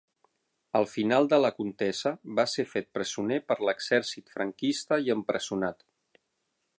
Al final de la contesa va ser fet presoner per l'Exèrcit franquista i empresonat.